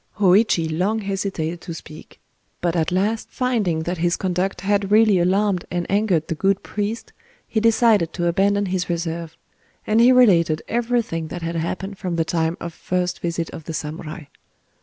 Hōïchi long hesitated to speak. But at last, finding that his conduct had really alarmed and angered the good priest, he decided to abandon his reserve; and he related everything that had happened from the time of first visit of the samurai.